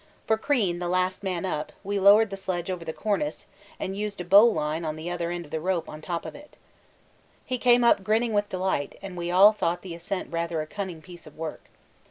For Crean, the last man up, we lowered the sledge over the cornice and used a bowline in the other end of the rope on top of it. He came up grinning with delight, and we all thought the ascent rather a cunning piece of work.